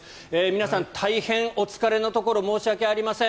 皆さん大変お疲れのところ申し訳ありません。